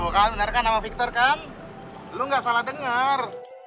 kalo denger kan sama victor kan lo gak salah denger